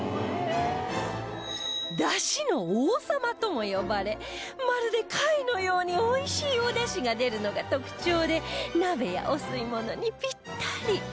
ダシの王様とも呼ばれまるで貝のようにおいしいおダシが出るのが特徴で鍋やお吸い物にぴったり